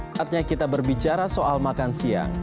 saatnya kita berbicara soal makan siang